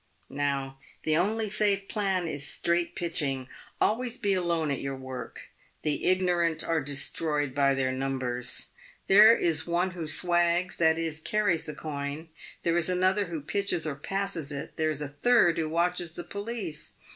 Now, the only safe plan is ' straight pitching' — always be alone at your work. The ignorant are destroyed by their numbers. There is one who swags — that is, carries the coin; there is another who pitches or passes it ; there is a third who watches the police.